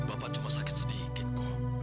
bapak cuma sakit sedikit